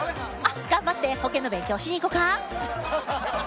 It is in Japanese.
頑張って保険の勉強しにいこか。